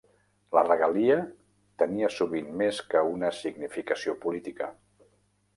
La regalia tenia sovint més que una significació política.